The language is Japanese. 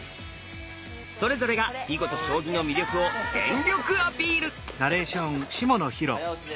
それぞれが囲碁と将棋の魅力を全力アピール！